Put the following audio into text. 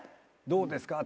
「どうですか？」